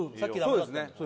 そうですね